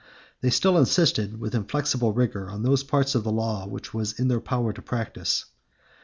They still insisted with inflexible rigor on those parts of the law which it was in their power to practise.